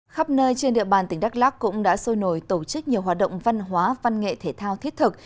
khắp nơi trên địa bàn tỉnh đắk lắc cũng đã sôi nổi tổ chức nhiều hoạt động văn hóa văn nghệ thể thao thiết thực